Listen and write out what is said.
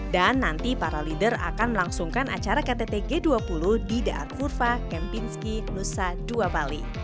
dan nanti para leader akan melangsungkan acara ktt g dua puluh di da'at furfa kempinski lusa dua bali